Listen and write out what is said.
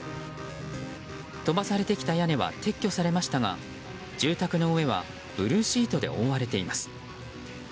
飛ばされてきた屋根は撤去されましたが住宅の上はブルーシートで覆われています。